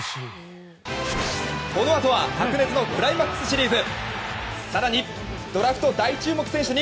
このあとは白熱のクライマックスシリーズ。